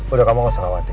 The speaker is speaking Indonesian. udah kamu gak usah khawatir